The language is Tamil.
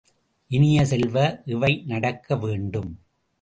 இனிய செல்வ, இவை நடக்க வேண்டும்!